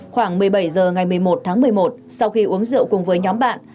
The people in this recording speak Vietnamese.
khoảng một mươi bảy h ngày một mươi một tháng một mươi một sau khi uống rượu cùng với nhóm bạn